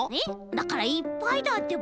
だからいっぱいだってば。